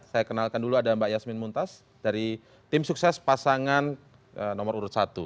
saya kenalkan dulu ada mbak yasmin muntas dari tim sukses pasangan nomor urut satu